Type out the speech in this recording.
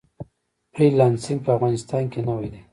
فری لانسینګ په افغانستان کې نوی دی